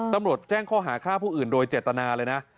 ตำรวจแจ้งข้อหาฆ่าผู้อื่นโดยเจตนาเลยนะ